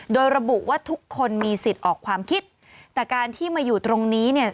โดยระบุว่าทุกคนมีสิทธิ์ออกความคิดแต่การที่มาอยู่ตรงนี้เนี่ย